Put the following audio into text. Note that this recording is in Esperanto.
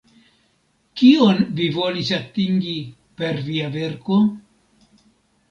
Kion vi volis atingi per via verko?